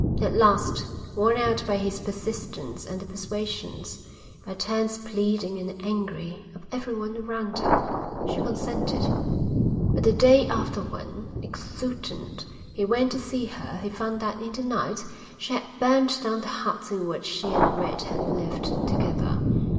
At last, worn out by his persistence and the persuasions, by turns pleading and angry, of everyone around her, she consented. But the day after when, exultant, he went to see her he found that in the night she had burnt down the hut in which she and Red had lived together.